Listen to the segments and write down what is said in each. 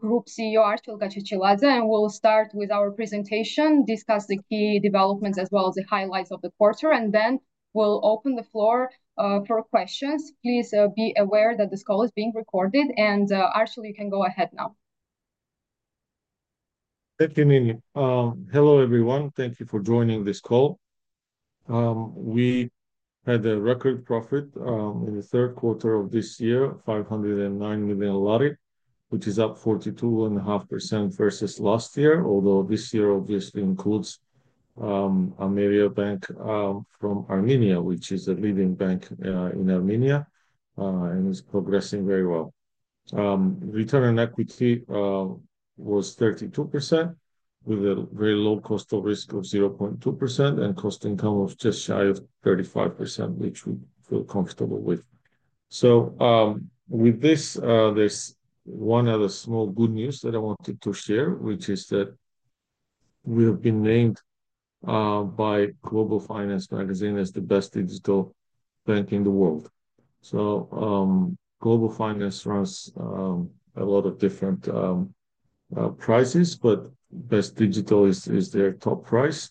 Group CEO Archil Gachechiladze, and we'll start with our presentation, discuss the key developments as well as the highlights of the quarter, and then we'll open the floor for questions. Please be aware that this call is being recorded, and Archil, you can go ahead now. Thank you, Nini. Hello everyone, thank you for joining this call. We had a record profit in the third quarter of this year, GEL 509 million, which is up 42.5% versus last year, although this year obviously includes Ameriabank from Armenia, which is a leading bank in Armenia, and it's progressing very well. Return on equity was 32%, with a very low cost of risk of 0.2%, and cost income was just shy of 35%, which we feel comfortable with. So with this, there's one other small good news that I wanted to share, which is that we have been named by Global Finance Magazine as the best digital bank in the world. Global Finance runs a lot of different prizes, but Best Digital is their top prize,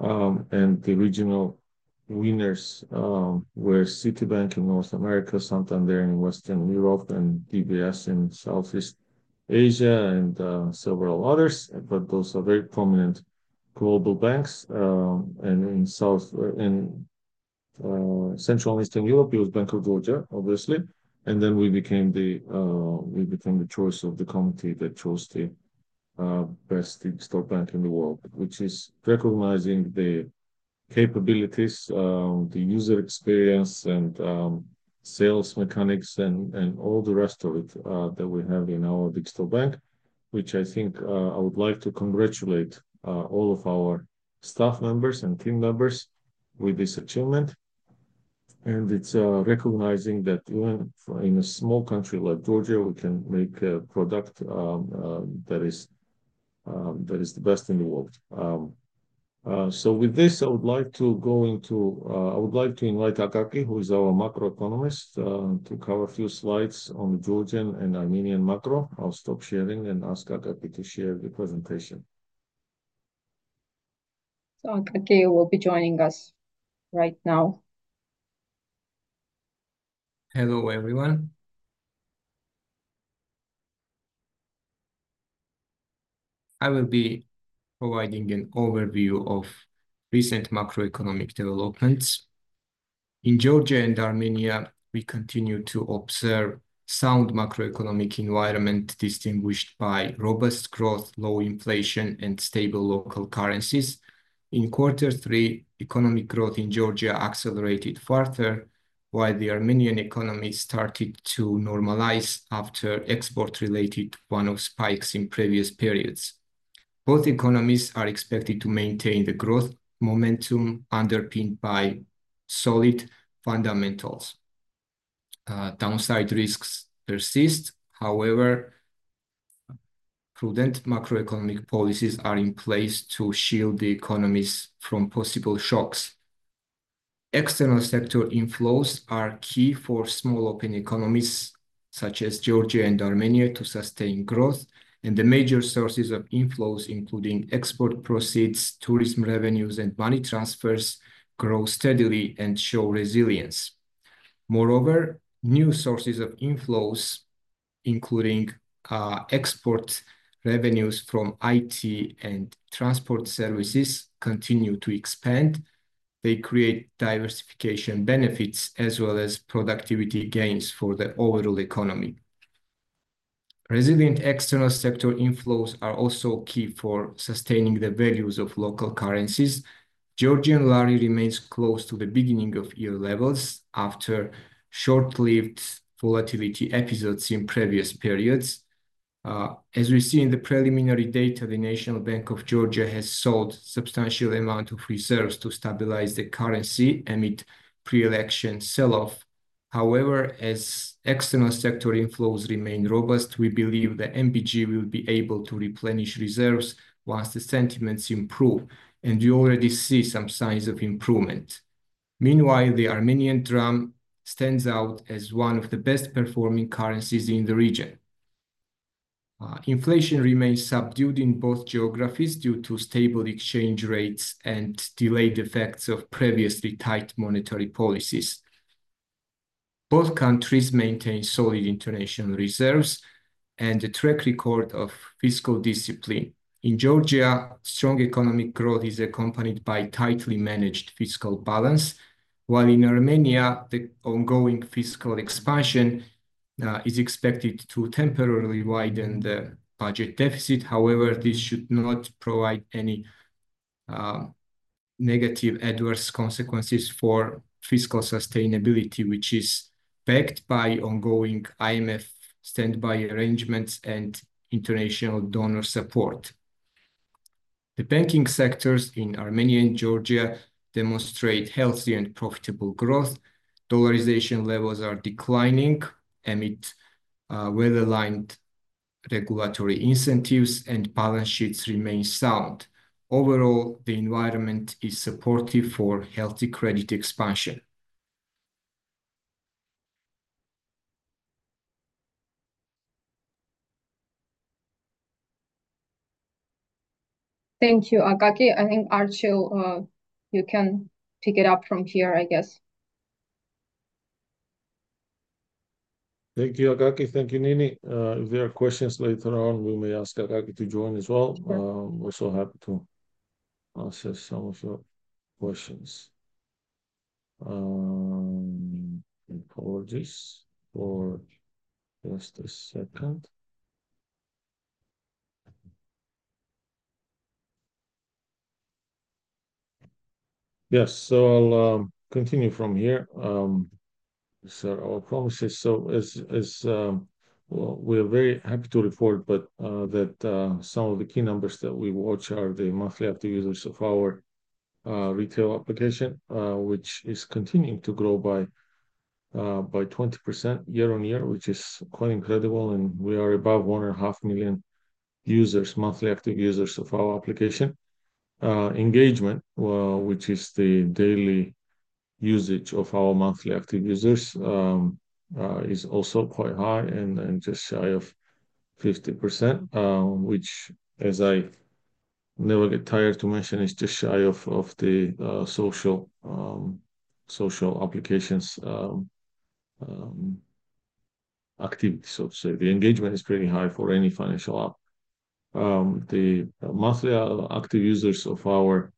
and the regional winners were Citibank in North America, Santander in Western Europe, and DBS in Southeast Asia, and several others, but those are very prominent global banks. In Central and Eastern Europe, it was Bank of Georgia, obviously, and then we became the choice of the committee that chose the best digital bank in the world, which is recognizing the capabilities, the user experience, and sales mechanics, and all the rest of it that we have in our digital bank, which I think I would like to congratulate all of our staff members and team members with this achievement. It's recognizing that even in a small country like Georgia, we can make a product that is the best in the world. So with this, I would like to go into, I would like to invite Akaki, who is our macro economist, to cover a few slides on the Georgian and Armenian macro. I'll stop sharing and ask Akaki to share the presentation. Akaki will be joining us right now. Hello everyone. I will be providing an overview of recent macroeconomic developments. In Georgia and Armenia, we continue to observe sound macroeconomic environment distinguished by robust growth, low inflation, and stable local currencies. In quarter three, economic growth in Georgia accelerated further, while the Armenian economy started to normalize after export-related one-off spikes in previous periods. Both economies are expected to maintain the growth momentum underpinned by solid fundamentals. Downside risks persist. However, prudent macroeconomic policies are in place to shield the economies from possible shocks. External sector inflows are key for small open economies such as Georgia and Armenia to sustain growth, and the major sources of inflows, including export proceeds, tourism revenues, and money transfers, grow steadily and show resilience. Moreover, new sources of inflows, including export revenues from IT and transport services, continue to expand. They create diversification benefits as well as productivity gains for the overall economy. Resilient external sector inflows are also key for sustaining the values of local currencies. Georgian lari remains close to the beginning of year levels after short-lived volatility episodes in previous periods. As we see in the preliminary data, the National Bank of Georgia has sold a substantial amount of reserves to stabilize the currency amid pre-election selloff. However, as external sector inflows remain robust, we believe the NBG will be able to replenish reserves once the sentiments improve, and we already see some signs of improvement. Meanwhile, the Armenian dram stands out as one of the best performing currencies in the region. Inflation remains subdued in both geographies due to stable exchange rates and delayed effects of previously tight monetary policies. Both countries maintain solid international reserves and a track record of fiscal discipline. In Georgia, strong economic growth is accompanied by tightly managed fiscal balance, while in Armenia, the ongoing fiscal expansion is expected to temporarily widen the budget deficit. However, this should not provide any negative adverse consequences for fiscal sustainability, which is backed by ongoing IMF standby arrangements and international donor support. The banking sectors in Armenia and Georgia demonstrate healthy and profitable growth. Dollarization levels are declining amid well-aligned regulatory incentives, and balance sheets remain sound. Overall, the environment is supportive for healthy credit expansion. Thank you, Akaki. I think Archil, you can pick it up from here, I guess. Thank you, Akaki. Thank you, Nini. If there are questions later on, we may ask Akaki to join as well. We're so happy to answer some of your questions. Apologies for just a second. Yes, so I'll continue from here. These are our promises, so we're very happy to report that some of the key numbers that we watch are the monthly active users of our retail application, which is continuing to grow by 20% year-on-year, which is quite incredible, and we are above 1.5 million users, monthly active users of our application. Engagement, which is the daily usage of our monthly active users, is also quite high and just shy of 50%, which, as I never get tired to mention, is just shy of the social applications activity, so to say. The engagement is pretty high for any financial app. The monthly active users of our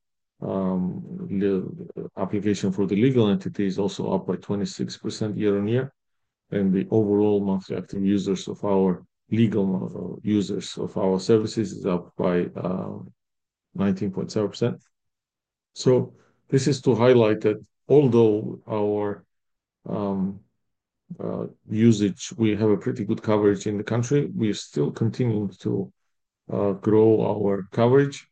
application for the legal entity is also up by 26% year-on-year, and the overall monthly active users of our legal users of our services is up by 19.7%. So this is to highlight that although our usage, we have a pretty good coverage in the country, we are still continuing to grow our coverage.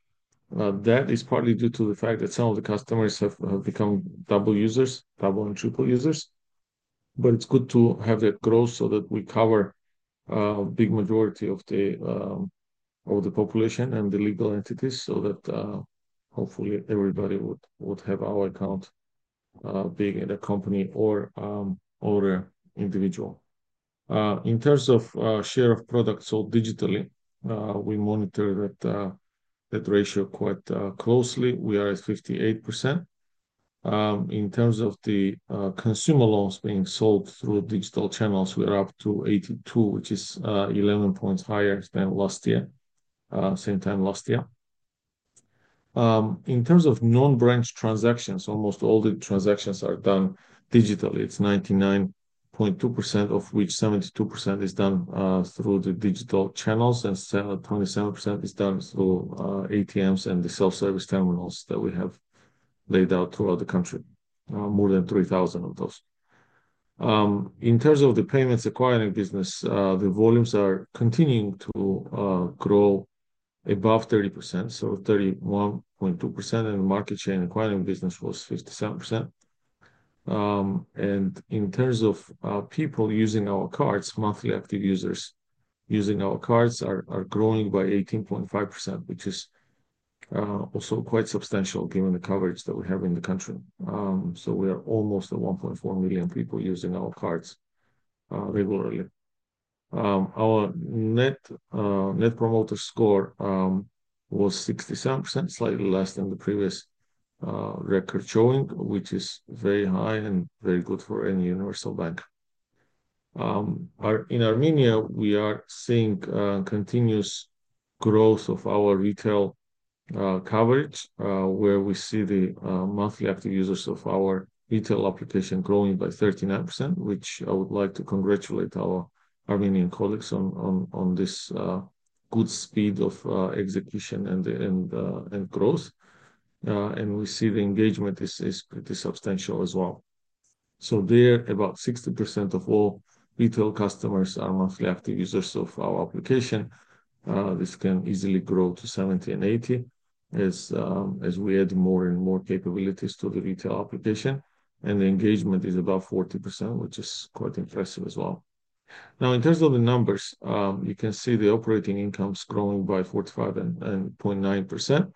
That is partly due to the fact that some of the customers have become double users, double and triple users, but it's good to have that growth so that we cover a big majority of the population and the legal entities so that hopefully everybody would have our account being in a company or an individual. In terms of share of products sold digitally, we monitor that ratio quite closely. We are at 58%. In terms of the consumer loans being sold through digital channels, we are up to 82, which is 11 points higher than last year, same time last year. In terms of non-branch transactions, almost all the transactions are done digitally. It's 99.2%, of which 72% is done through the digital channels, and 27% is done through ATMs and the self-service terminals that we have laid out throughout the country, more than 3,000 of those. In terms of the payments acquiring business, the volumes are continuing to grow above 30%, so 31.2%, and the market share in acquiring business was 57%. And in terms of people using our cards, monthly active users using our cards are growing by 18.5%, which is also quite substantial given the coverage that we have in the country. So we are almost at 1.4 million people using our cards regularly. Our net promoter score was 67%, slightly less than the previous record showing, which is very high and very good for any universal bank. In Armenia, we are seeing continuous growth of our retail coverage, where we see the monthly active users of our retail application growing by 39%, which I would like to congratulate our Armenian colleagues on this good speed of execution and growth, and we see the engagement is pretty substantial as well, so there, about 60% of all retail customers are monthly active users of our application. This can easily grow to 70%-80% as we add more and more capabilities to the retail application, and the engagement is about 40%, which is quite impressive as well. Now, in terms of the numbers, you can see the operating incomes growing by 45.9%,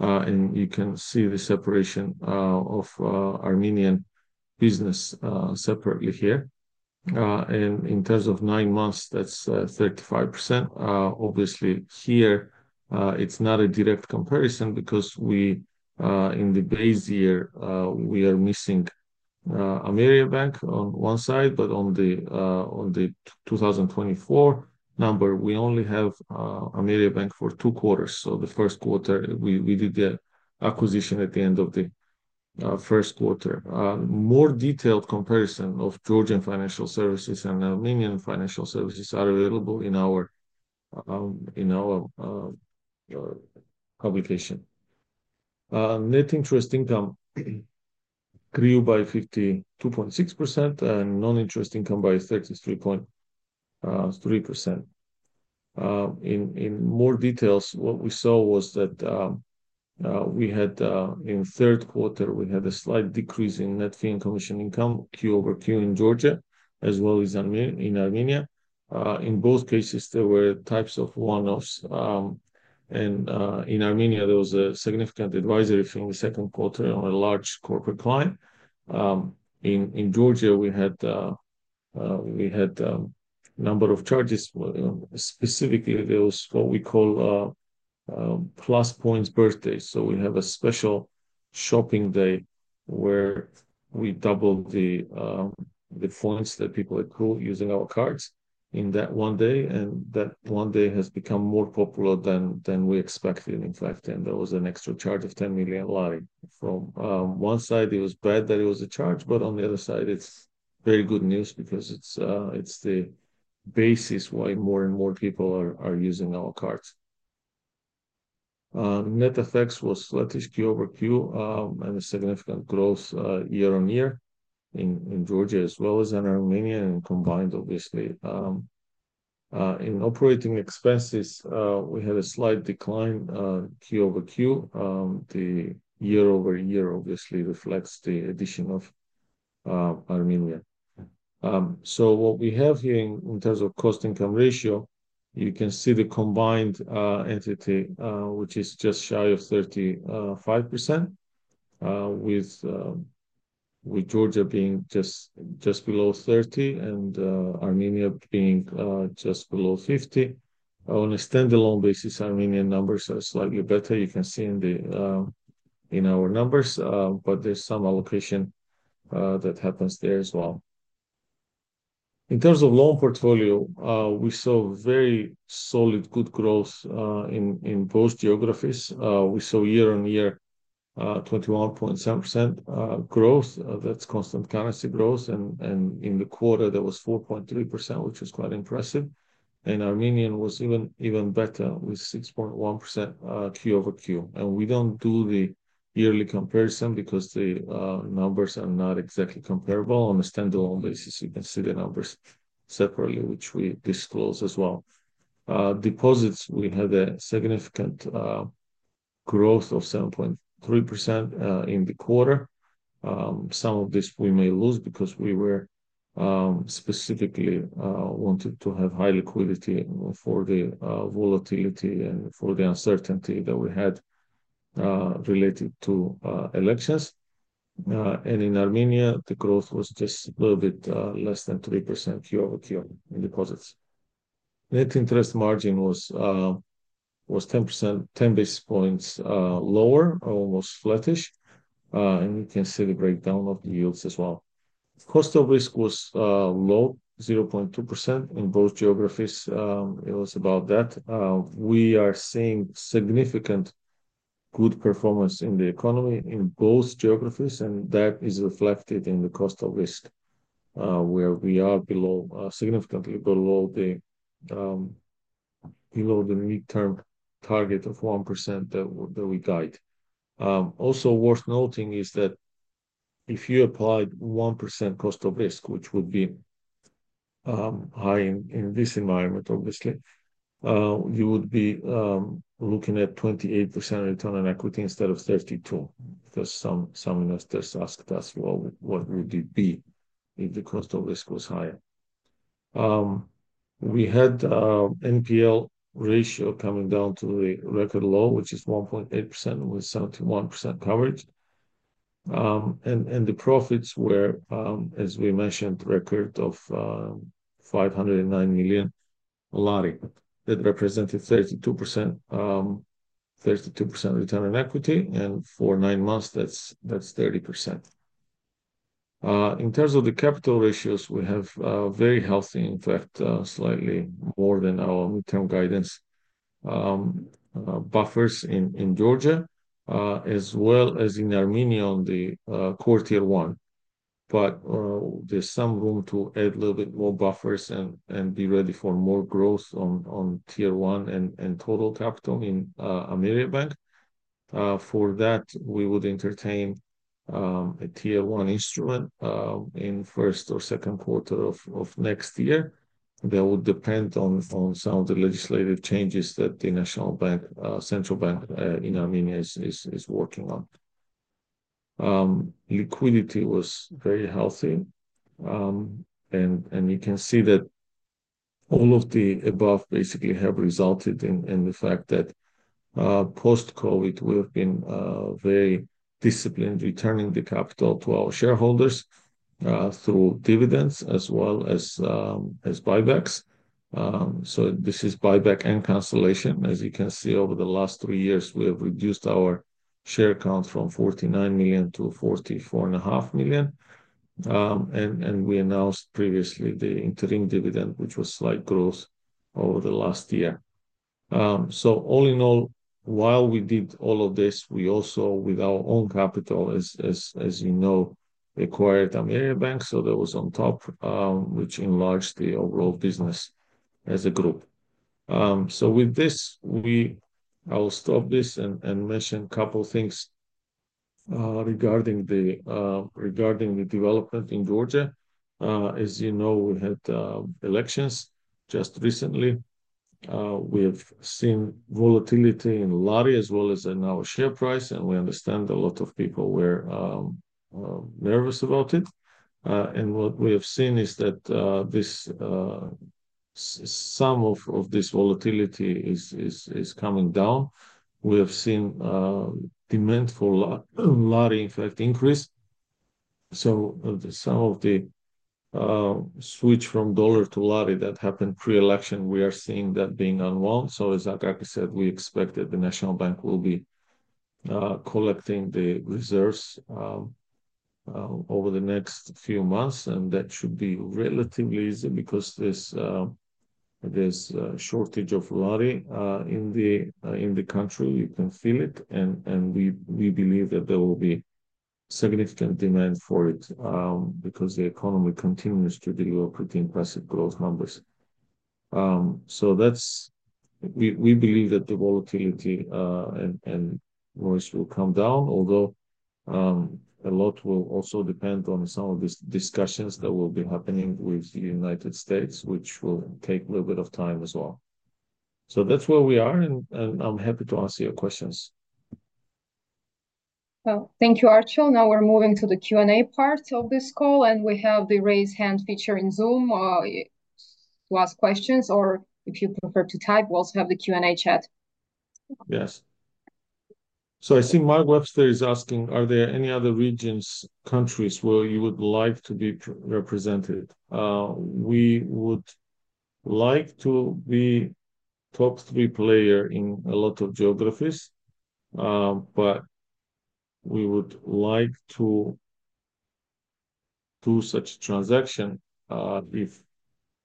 and you can see the separation of Armenian business separately here. And in terms of nine months, that's 35%. Obviously, here it's not a direct comparison because in the base year, we are missing Ameriabank on one side, but on the 2024 number, we only have Ameriabank for two quarters. So the first quarter, we did the acquisition at the end of the first quarter. More detailed comparison of Georgian financial services and Armenian financial services are available in our publication. Net interest income grew by 52.6% and non-interest income by 33.3%. In more details, what we saw was that in third quarter, we had a slight decrease in net fee and commission income, Q over Q in Georgia, as well as in Armenia. In both cases, there were types of one-offs, and in Armenia, there was a significant advisory fee in the second quarter on a large corporate client. In Georgia, we had a number of charges. Specifically, there was what we call PLUS points birthdays. So we have a special shopping day where we double the points that people accrue using our cards in that one day, and that one day has become more popular than we expected, in fact, and there was an extra charge of GEL 10 million. From one side, it was bad that it was a charge, but on the other side, it's very good news because it's the basis why more and more people are using our cards. Net effects was slightly Q over Q and a significant growth year-on-year in Georgia as well as in Armenia and combined, obviously. In operating expenses, we had a slight decline, Q over Q. The year-over-year obviously reflects the addition of Armenia. So what we have here in terms of cost-income ratio, you can see the combined entity, which is just shy of 35%, with Georgia being just below 30% and Armenia being just below 50%. On a standalone basis, Armenian numbers are slightly better. You can see in our numbers, but there's some allocation that happens there as well. In terms of loan portfolio, we saw very solid good growth in both geographies. We saw year-on-year 21.7% growth. That's constant currency growth, and in the quarter, there was 4.3%, which is quite impressive. And Armenian was even better with 6.1% Q over Q. And we don't do the yearly comparison because the numbers are not exactly comparable. On a standalone basis, you can see the numbers separately, which we disclose as well. Deposits, we had a significant growth of 7.3% in the quarter. Some of this we may lose because we specifically wanted to have high liquidity for the volatility and for the uncertainty that we had related to elections. And in Armenia, the growth was just a little bit less than 3% Q over Q in deposits. Net interest margin was 10 basis points lower, almost flattish, and you can see the breakdown of the yields as well. Cost of risk was low, 0.2% in both geographies. It was about that. We are seeing significant good performance in the economy in both geographies, and that is reflected in the cost of risk, where we are significantly below the midterm target of 1% that we guide. Also, worth noting is that if you applied 1% cost of risk, which would be high in this environment, obviously, you would be looking at 28% return on equity instead of 32% because some investors asked us, "What would it be if the cost of risk was higher?" We had NPL ratio coming down to the record low, which is 1.8% with 71% coverage. The profits were, as we mentioned, record of 509 million GEL that represented 32% return on equity, and for nine months, that's 30%. In terms of the capital ratios, we have very healthy, in fact, slightly more than our midterm guidance buffers in Georgia, as well as in Armenia on the quarter one. There's some room to add a little bit more buffers and be ready for more growth on Tier 1 and total capital in Ameriabank. For that, we would entertain a Tier 1 instrument in first or second quarter of next year. That would depend on some of the legislative changes that the national bank, central bank in Armenia is working on. Liquidity was very healthy, and you can see that all of the above basically have resulted in the fact that post-COVID, we have been very disciplined returning the capital to our shareholders through dividends as well as buybacks. This is buyback and consolidation. As you can see, over the last three years, we have reduced our share count from 49 million to 44.5 million. We announced previously the interim dividend, which was slight growth over the last year. All in all, while we did all of this, we also, with our own capital, as you know, acquired Ameriabank. That was on top, which enlarged the overall business as a group. With this, I'll stop this and mention a couple of things regarding the development in Georgia. As you know, we had elections just recently. We have seen volatility in lari as well as in our share price, and we understand a lot of people were nervous about it. What we have seen is that some of this volatility is coming down. We have seen demand for lari, in fact, increase. Some of the switch from dollar to lari that happened pre-election, we are seeing that being unwound. As Archil said, we expected the national bank will be collecting the reserves over the next few months, and that should be relatively easy because there's a shortage of lari in the country. You can feel it, and we believe that there will be significant demand for it because the economy continues to deliver pretty impressive growth numbers. We believe that the volatility and noise will come down, although a lot will also depend on some of these discussions that will be happening with the United States, which will take a little bit of time as well. That's where we are, and I'm happy to answer your questions. Thank you, Archie. Now we're moving to the Q&A part of this call, and we have the raise hand feature in Zoom to ask questions, or if you prefer to type, we also have the Q&A chat. Yes. I see Mark Webster is asking, are there any other regions, countries where you would like to be represented? We would like to be a top three player in a lot of geographies, but we would like to do such a transaction if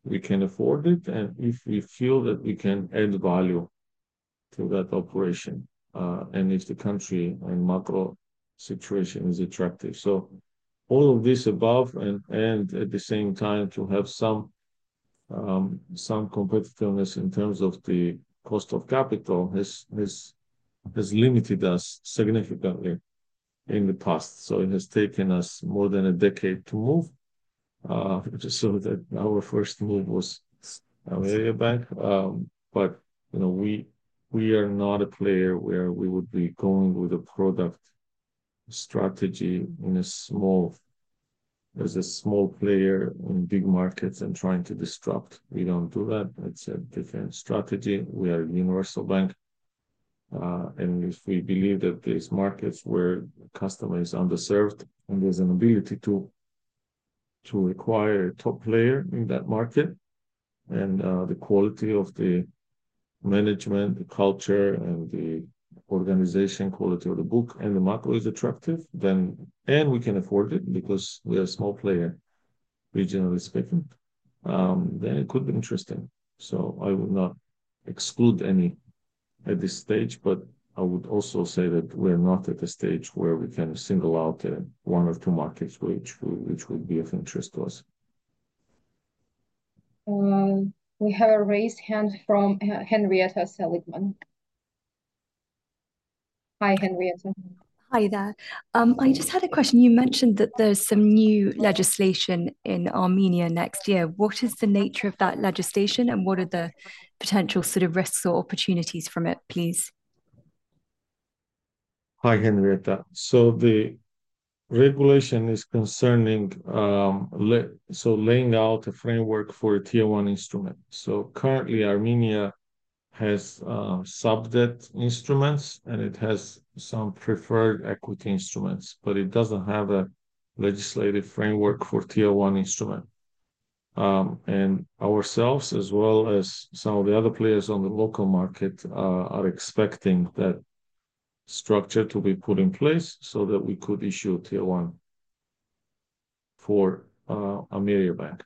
we can afford it and if we feel that we can add value to that operation and if the country and macro situation is attractive. So all of this above and at the same time to have some competitiveness in terms of the cost of capital has limited us significantly in the past. So it has taken us more than a decade to move. So our first move was Ameriabank, but we are not a player where we would be going with a product strategy as a small player in big markets and trying to disrupt. We don't do that. It's a different strategy. We are a universal bank. If we believe that these markets where customer is underserved and there's an ability to require a top player in that market and the quality of the management, the culture, and the organization quality of the book and the macro is attractive, and we can afford it because we are a small player, regionally speaking, then it could be interesting. I would not exclude any at this stage, but I would also say that we're not at a stage where we can single out one or two markets which would be of interest to us. We have a raised hand from Henrietta Seligman. Hi, Henrietta. Hi there. I just had a question. You mentioned that there's some new legislation in Armenia next year. What is the nature of that legislation, and what are the potential sort of risks or opportunities from it, please? Hi, Henrietta. The regulation is concerning laying out a framework for a Tier 1 instrument. Currently, Armenia has sub-debt instruments, and it has some preferred equity instruments, but it doesn't have a legislative framework for Tier 1 instrument. Ourselves, as well as some of the other players on the local market, are expecting that structure to be put in place so that we could issue Tier 1 for Ameriabank.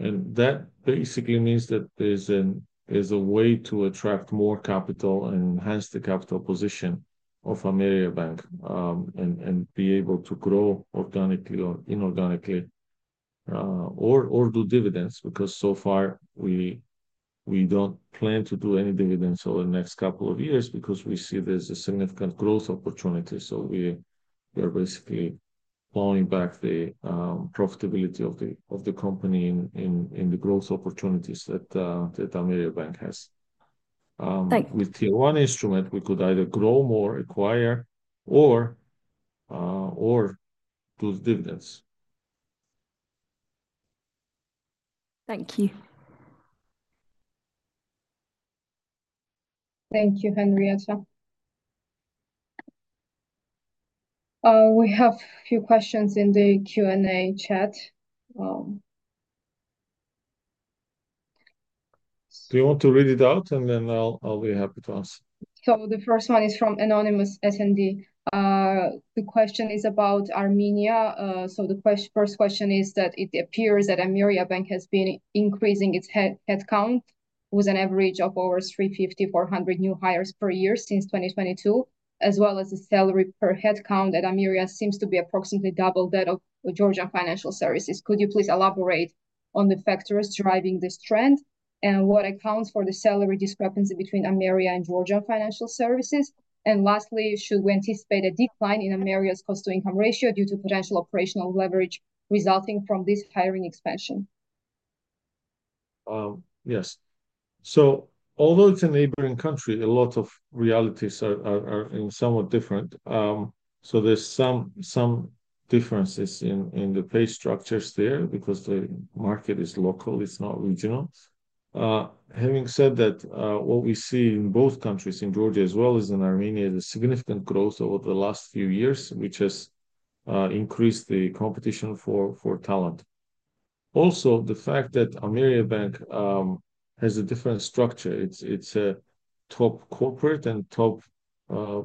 That basically means that there's a way to attract more capital and enhance the capital position of Ameriabank and be able to grow organically or inorganically or do dividends because so far, we don't plan to do any dividends over the next couple of years because we see there's a significant growth opportunity. We are basically pulling back the profitability of the company in the growth opportunities that Ameriabank has. With Tier 1 instrument, we could either grow more, acquire, or do dividends. Thank you. Thank you, Henrietta. We have a few questions in the Q&A chat. Do you want to read it out, and then I'll be happy to answer? So the first one is from Anonymous S&D. The question is about Armenia. So the first question is that it appears that Ameriabank has been increasing its headcount with an average of over 350-400 new hires per year since 2022, as well as the salary per headcount at Ameria seems to be approximately double that of Bank of Georgia. Could you please elaborate on the factors driving this trend and what accounts for the salary discrepancy between Ameria and Bank of Georgia? And lastly, should we anticipate a decline in Ameria's cost-to-income ratio due to potential operational leverage resulting from this hiring expansion? Yes. So although it's a neighboring country, a lot of realities are somewhat different. So there's some differences in the pay structures there because the market is local. It's not regional. Having said that, what we see in both countries, in Georgia as well, is in Armenia, is a significant growth over the last few years, which has increased the competition for talent. Also, the fact that Ameriabank has a different structure. It's a top corporate and top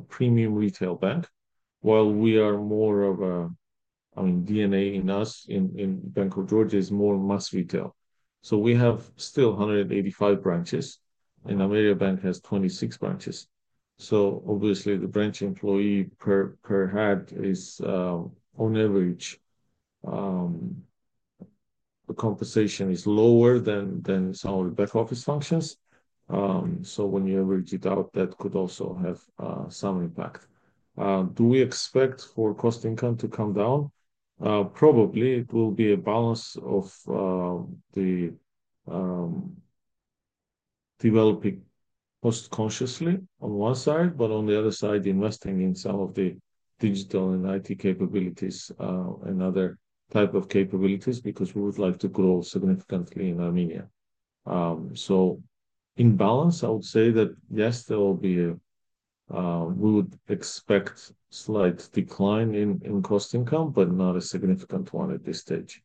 premium retail bank. While we are more of a, I mean, DNA in us in Bank of Georgia is more mass retail. So we have still 185 branches, and Ameriabank has 26 branches. So obviously, the branch employee per head is, on average, the compensation is lower than some of the back office functions. So when you average it out, that could also have some impact. Do we expect for cost income to come down? Probably it will be a balance of developing cost-consciously on one side, but on the other side, investing in some of the digital and IT capabilities and other types of capabilities because we would like to grow significantly in Armenia. So in balance, I would say that, yes, there will be a we would expect a slight decline in cost income, but not a significant one at this stage.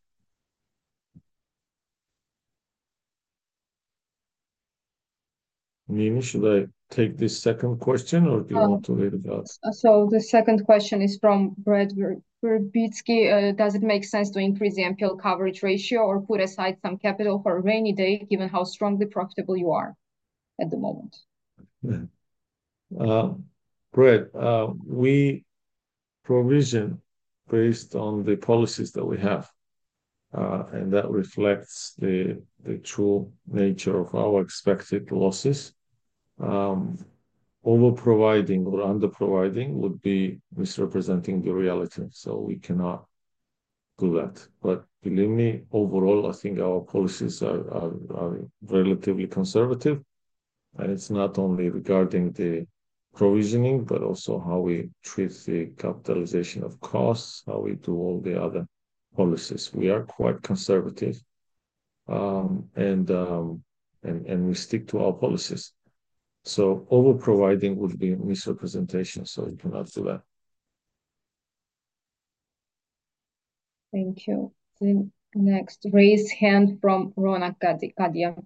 Nini, should I take this second question, or do you want to read it out? So the second question is from Brad Ferbitsky. Does it make sense to increase the NPL coverage ratio or put aside some capital for a rainy day, given how strongly profitable you are at the moment? Brad, we provision based on the policies that we have, and that reflects the true nature of our expected losses. Over-providing or under-providing would be misrepresenting the reality. So we cannot do that. But believe me, overall, I think our policies are relatively conservative. And it's not only regarding the provisioning, but also how we treat the capitalization of costs, how we do all the other policies. We are quite conservative, and we stick to our policies. So over-providing would be misrepresentation, so you cannot do that. Thank you. Next, raise hand from Ronak Kadia.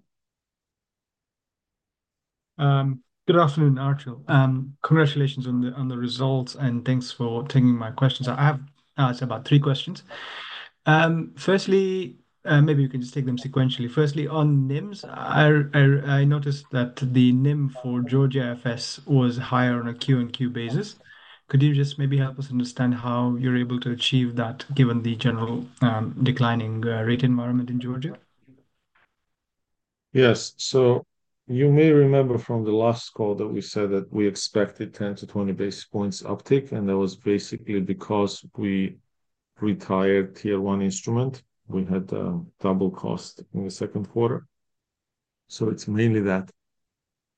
Good afternoon, Archie. Congratulations on the results, and thanks for taking my questions. I have about three questions. Firstly, maybe you can just take them sequentially. Firstly, on NIMs, I noticed that the NIM for Georgia FS was higher on a Q and Q basis. Could you just maybe help us understand how you're able to achieve that given the general declining rate environment in Georgia? Yes. You may remember from the last call that we said that we expected 10-20 basis points uptick, and that was basically because we retired Tier 1 instrument. We had double cost in the second quarter. So it's mainly that.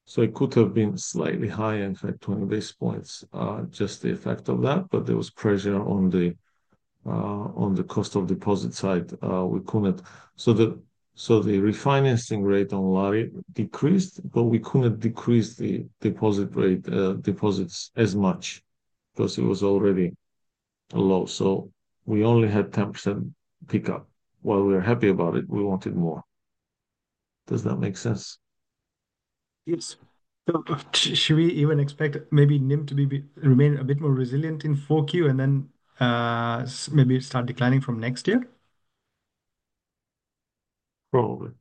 So it could have been slightly higher and had 20 basis points just the effect of that, but there was pressure on the cost of deposit side. We couldn't. So the refinancing rate on lari decreased, but we couldn't decrease the deposit rates as much because it was already low. So we only had 10% pickup. While we were happy about it, we wanted more. Does that make sense? Yes. So should we even expect maybe NIM to remain a bit more resilient in 4Q and then maybe start declining from next year? Probably.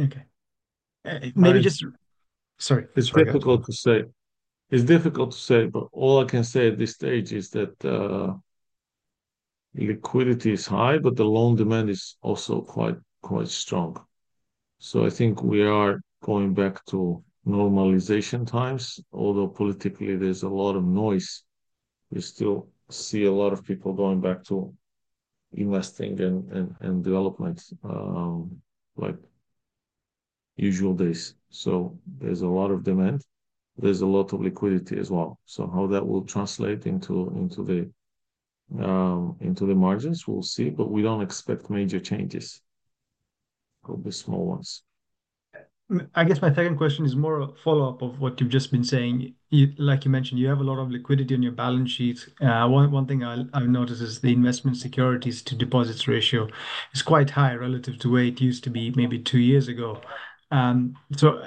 Okay. Maybe just, sorry. It's difficult to say. It's difficult to say, but all I can say at this stage is that liquidity is high, but the loan demand is also quite strong. So I think we are going back to normalization times. Although politically, there's a lot of noise, we still see a lot of people going back to investing and development like usual days. So there's a lot of demand. There's a lot of liquidity as well. So how that will translate into the margins, we'll see, but we don't expect major changes. Probably small ones. I guess my second question is more a follow-up of what you've just been saying. Like you mentioned, you have a lot of liquidity on your balance sheet. One thing I've noticed is the investment securities to deposits ratio is quite high relative to where it used to be maybe two years ago. So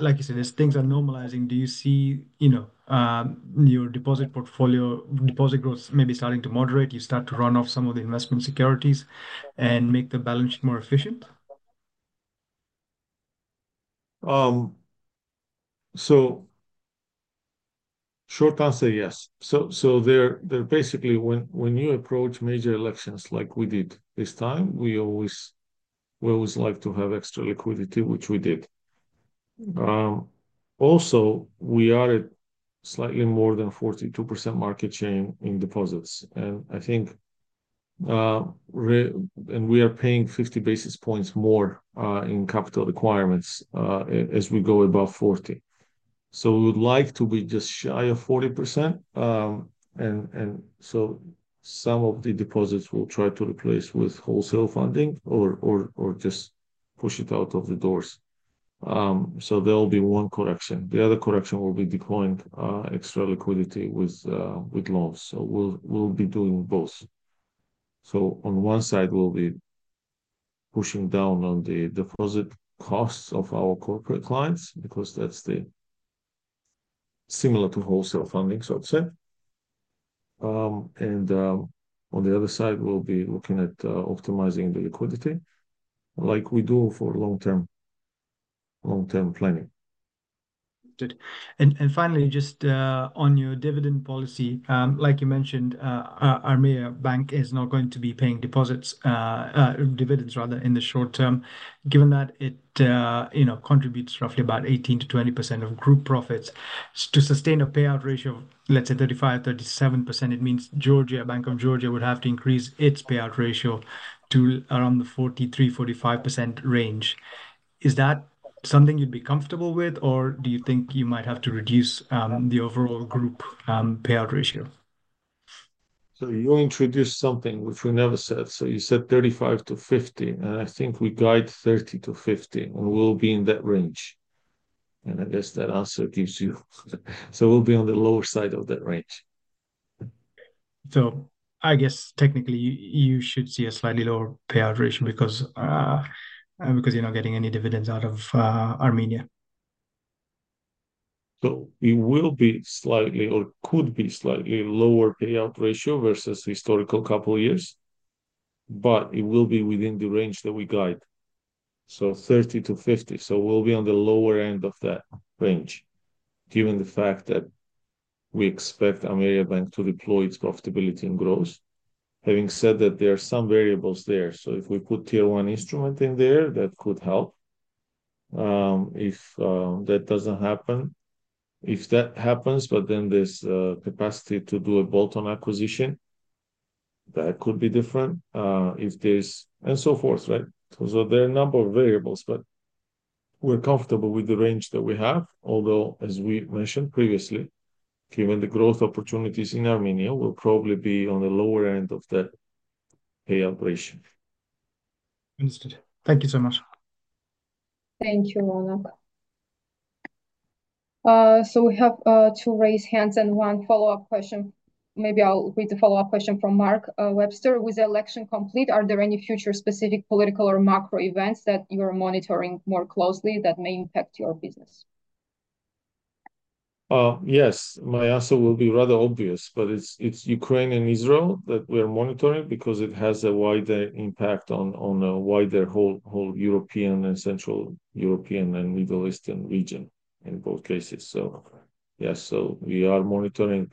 like you said, as things are normalizing, do you see your deposit portfolio deposit growth maybe starting to moderate? You start to run off some of the investment securities and make the balance sheet more efficient? So short answer, yes. So basically, when you approach major elections like we did this time, we always like to have extra liquidity, which we did. Also, we are at slightly more than 42% market share in deposits. And I think we are paying 50 basis points more in capital requirements as we go above 40. So we would like to be just shy of 40%. And so some of the deposits we'll try to replace with wholesale funding or just push it out of the doors. So there'll be one correction. The other correction will be deploying extra liquidity with loans. So we'll be doing both. So on one side, we'll be pushing down on the deposit costs of our corporate clients because that's similar to wholesale funding, so to say. And on the other side, we'll be looking at optimizing the liquidity like we do for long-term planning. Good. And finally, just on your dividend policy, like you mentioned, Ameriabank is not going to be paying dividends, rather, in the short term. Given that it contributes roughly about 18%-20% of group profits, to sustain a payout ratio of, let's say, 35%-37%, it means Bank of Georgia would have to increase its payout ratio to around the 43%-45% range. Is that something you'd be comfortable with, or do you think you might have to reduce the overall group payout ratio? So you introduced something which we never said. You said 35%-50%, and I think we guide 30%-50%, and we'll be in that range. I guess that answer gives you, so we'll be on the lower side of that range. I guess technically, you should see a slightly lower payout ratio because you're not getting any dividends out of Armenia. It will be slightly or could be slightly lower payout ratio versus historical couple of years, but it will be within the range that we guide, 30%-50%. We'll be on the lower end of that range, given the fact that we expect Ameriabank to deploy its profitability and growth. Having said that, there are some variables there. If we put Tier 1 instrument in there, that could help. If that doesn't happen, if that happens, but then there's capacity to do a bolt-on acquisition, that could be different. And so forth, right? So there are a number of variables, but we're comfortable with the range that we have, although, as we mentioned previously, given the growth opportunities in Armenia, we'll probably be on the lower end of that payout ratio. Understood. Thank you so much. Thank you, Ronak. So we have two raised hands and one follow-up question. Maybe I'll read the follow-up question from Mark Webster. With the election complete, are there any future specific political or macro events that you're monitoring more closely that may impact your business? Yes. My answer will be rather obvious, but it's Ukraine and Israel that we are monitoring because it has a wider impact on a wider whole European and Central European and Middle Eastern region in both cases. So yes, so we are monitoring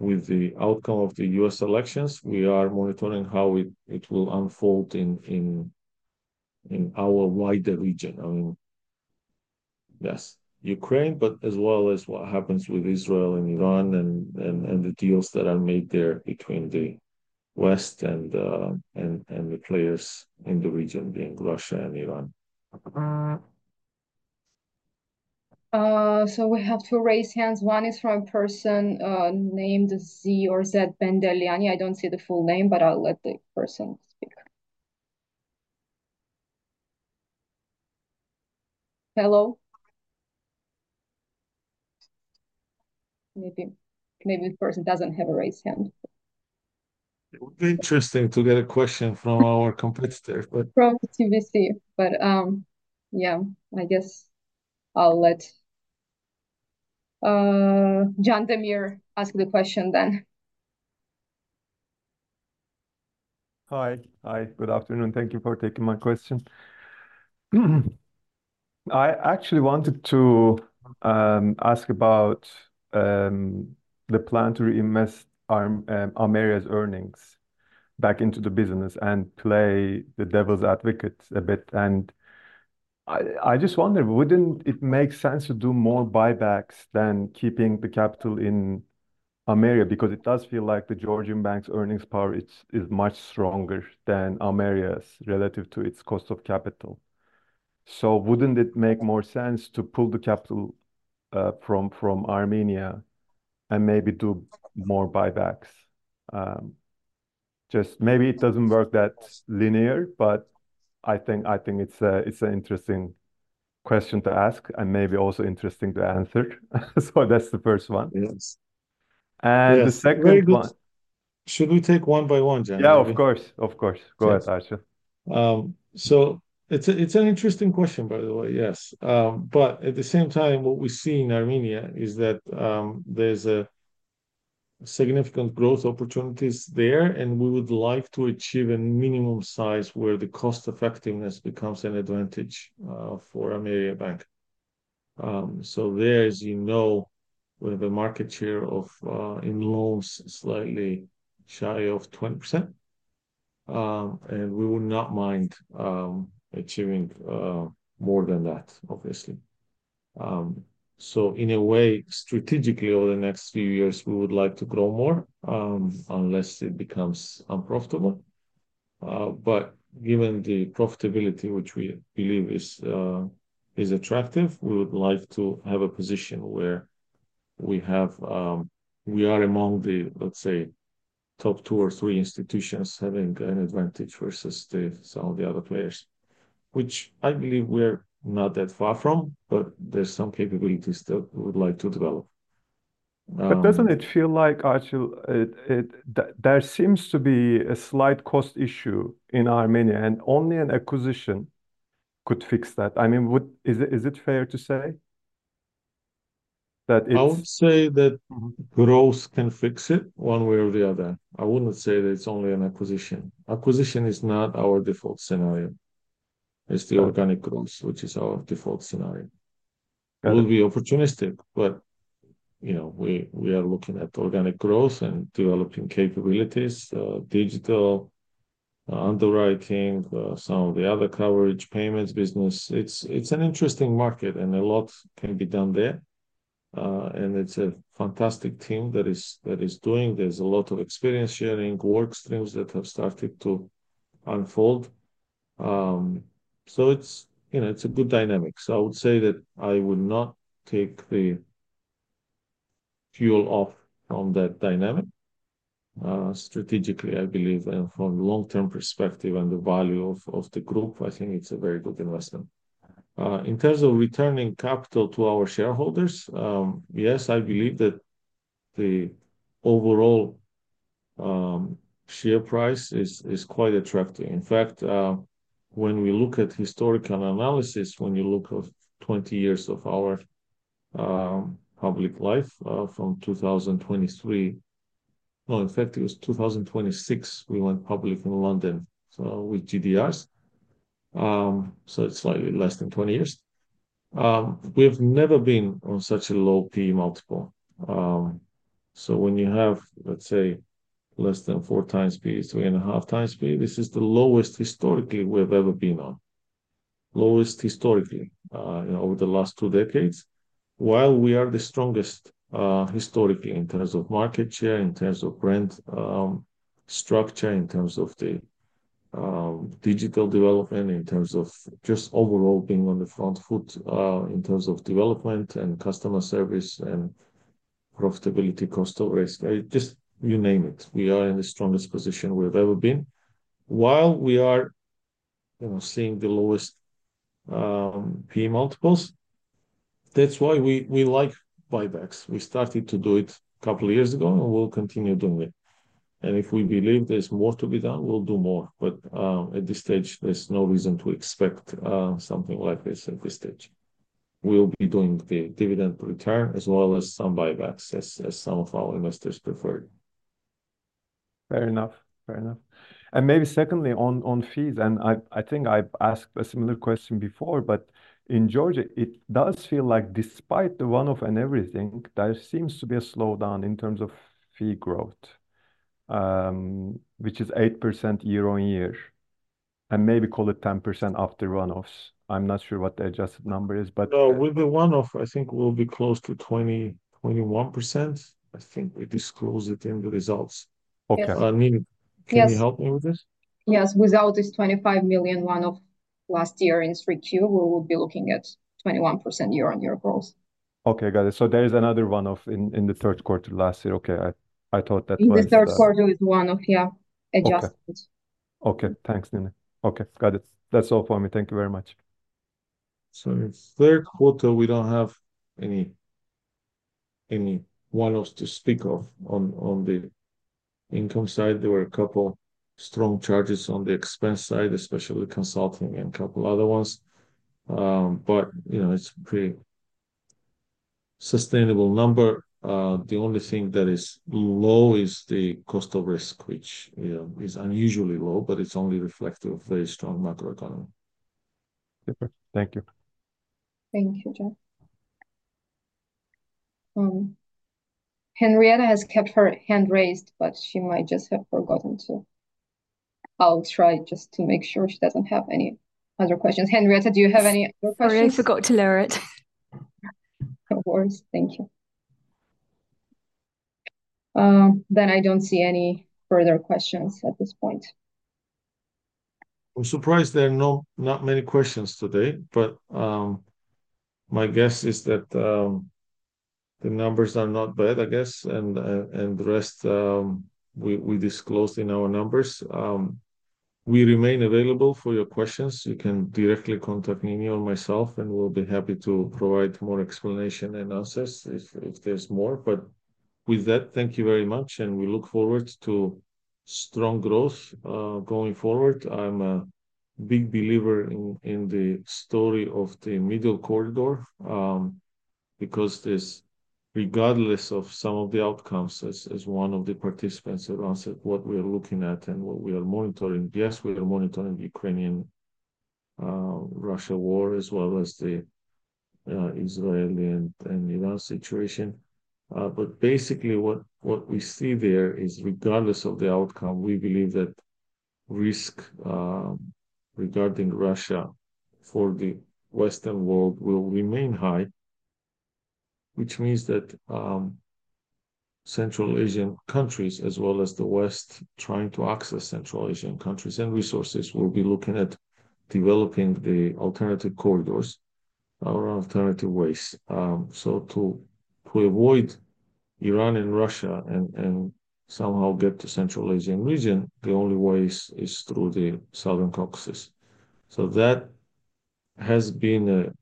with the outcome of the U.S. elections. We are monitoring how it will unfold in our wider region. I mean, yes, Ukraine, but as well as what happens with Israel and Iran and the deals that are made there between the West and the players in the region being Russia and Iran. So we have two raised hands. One is from a person named Zed Bendeliani. I don't see the full name, but I'll let the person speak. Hello? Maybe the person doesn't have a raised hand. It would be interesting to get a question from our competitor, but. From TBC. But yeah, I guess I'll let Jan Demir ask the question then. Hi. Hi. Good afternoon. Thank you for taking my question. I actually wanted to ask about the plan to reinvest Armenia's earnings back into the business and play the devil's advocate a bit. And I just wondered, wouldn't it make sense to do more buybacks than keeping the capital in Armenia? Because it does feel like the Georgian Bank's earnings power is much stronger than Armenia's relative to its cost of capital. So wouldn't it make more sense to pull the capital from Armenia and maybe do more buybacks? Just maybe it doesn't work that linear, but I think it's an interesting question to ask and maybe also interesting to answer. So that's the first one. And the second one. Should we take one by one, Jan? Yeah, of course. Of course. Go ahead, Archie. So it's an interesting question, by the way, yes. But at the same time, what we see in Armenia is that there's a significant growth opportunities there, and we would like to achieve a minimum size where the cost-effectiveness becomes an advantage for Ameriabank. So there, as you know, we have a market share in loans slightly shy of 20%. And we would not mind achieving more than that, obviously. So in a way, strategically, over the next few years, we would like to grow more unless it becomes unprofitable. But given the profitability, which we believe is attractive, we would like to have a position where we are among the, let's say, top two or three institutions having an advantage versus some of the other players, which I believe we're not that far from, but there's some capabilities that we would like to develop. But doesn't it feel like, Archie, there seems to be a slight cost issue in Armenia, and only an acquisition could fix that? I mean, is it fair to say that it's? I would say that growth can fix it one way or the other. I wouldn't say that it's only an acquisition. Acquisition is not our default scenario. It's the organic growth, which is our default scenario. We'll be opportunistic, but we are looking at organic growth and developing capabilities, digital underwriting, some of the other coverage payments business. It's an interesting market, and a lot can be done there. And it's a fantastic team that is doing this. There's a lot of experience sharing, work streams that have started to unfold. So I would say that I would not take the fuel off from that dynamic. Strategically, I believe, and from a long-term perspective and the value of the group, I think it's a very good investment. In terms of returning capital to our shareholders, yes, I believe that the overall share price is quite attractive. In fact, when we look at historical analysis, when you look at 20 years of our public life from 2003, no, in fact, it was 2006 we went public in London with GDRs. So it's slightly less than 20 years. We have never been on such a low P/E multiple. So when you have, let's say, less than four times P/E, three and a half times P/E, this is the lowest historically we've ever been on. Lowest historically over the last two decades. While we are the strongest historically in terms of market share, in terms of brand structure, in terms of the digital development, in terms of just overall being on the front foot in terms of development and customer service and profitability, cost of risk, just you name it. We are in the strongest position we've ever been. While we are seeing the lowest P/E multiples, that's why we like buybacks. We started to do it a couple of years ago, and we'll continue doing it. And if we believe there's more to be done, we'll do more. But at this stage, there's no reason to expect something like this at this stage. We'll be doing the dividend return as well as some buybacks, as some of our investors prefer. Fair enough. Fair enough. And maybe secondly, on fees, and I think I've asked a similar question before, but in Georgia, it does feel like despite the one-off and everything, there seems to be a slowdown in terms of fee growth, which is 8% year-on-year. And maybe call it 10% after one-offs. I'm not sure what the adjusted number is, but. No, with the one-off, I think we'll be close to 20-21%. I think we disclose it in the results. Okay. Can you help me with this? Yes. Without this 25 million one-off last year in 3Q, we will be looking at 21% year-on-year growth. Okay. Got it. So there is another one-off in the third quarter last year. Okay. I thought that was. In the third quarter with one-off, yeah. Adjusted. Okay. Thanks, Nini. Okay. Got it. That's all for me. Thank you very much. So in the third quarter, we don't have any one-offs to speak of on the income side. There were a couple of strong charges on the expense side, especially consulting and a couple of other ones. But it's a pretty sustainable number. The only thing that is low is the cost of risk, which is unusually low, but it's only reflective of very strong macroeconomy. Super. Thank you. Thank you, Jan. Henrietta has kept her hand raised, but she might just have forgotten to. I'll try just to make sure she doesn't have any other questions. Henrietta, do you have any other questions? Sorry, I forgot to lower it. No worries. Thank you. Then I don't see any further questions at this point. I'm surprised there are not many questions today, but my guess is that the numbers are not bad, I guess, and the rest we disclosed in our numbers. We remain available for your questions. You can directly contact Nini or myself, and we'll be happy to provide more explanation and answers if there's more. But with that, thank you very much, and we look forward to strong growth going forward. I'm a big believer in the story of the Middle Corridor because regardless of some of the outcomes, as one of the participants have answered what we are looking at and what we are monitoring. Yes, we are monitoring the Ukraine-Russia war as well as the Israel and Iran situation. But basically, what we see there is regardless of the outcome, we believe that risk regarding Russia for the Western world will remain high, which means that Central Asian countries, as well as the West trying to access Central Asian countries and resources, will be looking at developing the alternative corridors or alternative ways. So to avoid Iran and Russia and somehow get to Central Asian region, the only way is through the Southern Caucasus. So that has been a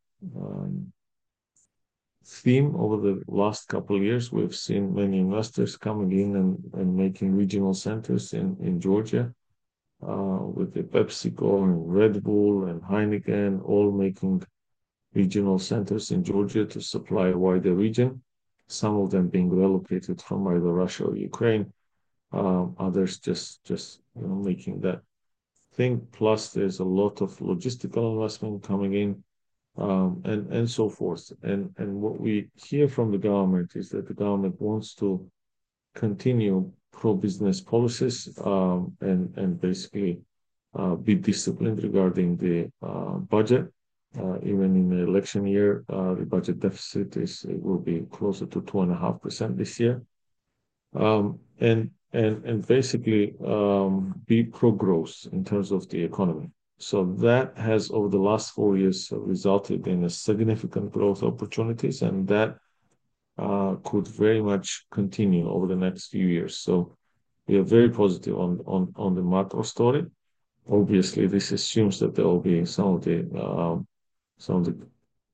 theme over the last couple of years. We've seen many investors coming in and making regional centers in Georgia with the PepsiCo and Red Bull and Heineken, all making regional centers in Georgia to supply wider region, some of them being relocated from either Russia or Ukraine. Others just making that thing. Plus, there's a lot of logistical investment coming in and so forth. And what we hear from the government is that the government wants to continue pro-business policies and basically be disciplined regarding the budget. Even in the election year, the budget deficit will be closer to 2.5% this year. And basically, be pro-growth in terms of the economy. So that has, over the last four years, resulted in significant growth opportunities, and that could very much continue over the next few years. So we are very positive on the macro story. Obviously, this assumes that there will be some of the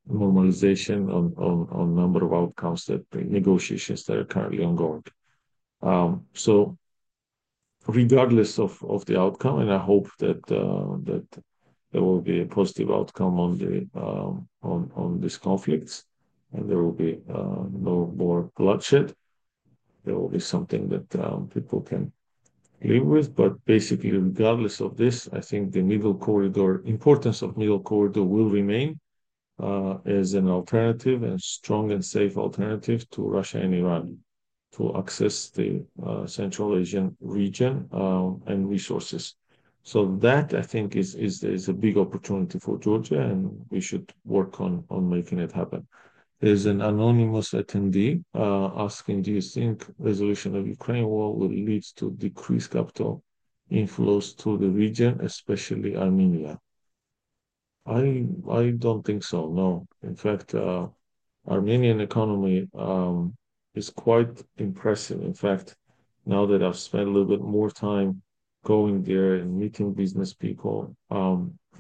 normalization on a number of outcomes that negotiations that are currently ongoing. So regardless of the outcome, and I hope that there will be a positive outcome on this conflict and there will be no more bloodshed, there will be something that people can live with. Basically, regardless of this, I think the importance of the Middle Corridor will remain as an alternative and strong and safe alternative to Russia and Iran to access the Central Asian region and resources. So that, I think, is a big opportunity for Georgia, and we should work on making it happen. There's an anonymous attendee asking, do you think resolution of Ukraine war will lead to decreased capital inflows to the region, especially Armenia? I don't think so. No. In fact, Armenian economy is quite impressive. In fact, now that I've spent a little bit more time going there and meeting business people,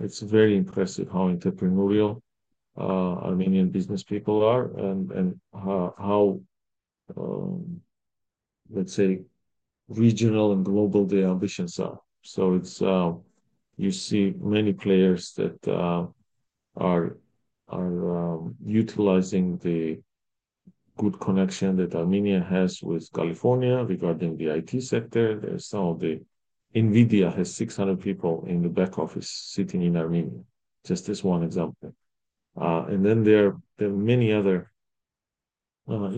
it's very impressive how entrepreneurial Armenian business people are and how, let's say, regional and global their ambitions are. So you see many players that are utilizing the good connection that Armenia has with California regarding the IT sector. There's some of the NVIDIA has 600 people in the back office sitting in Armenia. Just this one example. And then there are many other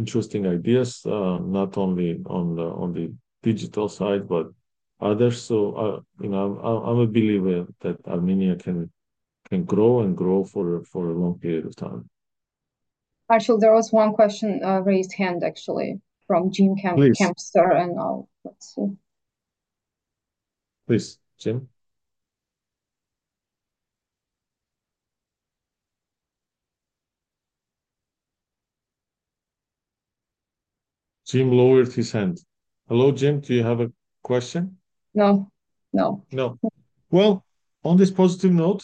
interesting ideas, not only on the digital side, but others. So I'm a believer that Armenia can grow and grow for a long period of time. Archil, there was one question raised hand, actually, from Jim Campster and I'll see. Please, Jim. Jim lowered his hand. Hello, Jim. Do you have a question? No. No. No. Well, on this positive note,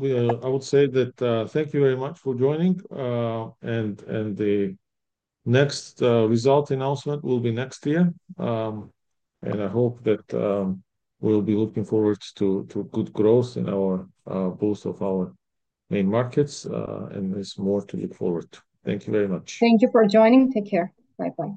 I would say that thank you very much for joining. And the next result announcement will be next year. And I hope that we'll be looking forward to good growth in both of our main markets, and there's more to look forward to. Thank you very much. Thank you for joining. Take care. Bye-bye.